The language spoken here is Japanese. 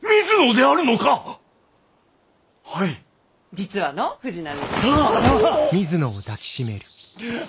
実はの藤波。